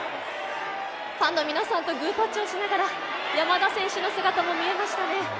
ファンの皆さんとグータッチをしながら山田選手の姿も見えましたね。